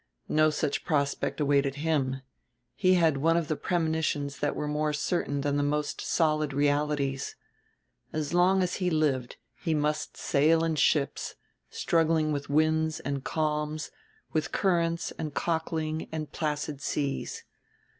No such prospect awaited him; he had one of the premonitions that were more certain than the most solid realities as long as he lived he must sail in ships, struggling with winds and calms, with currents and cockling and placid seas.